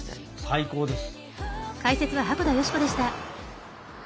最高です！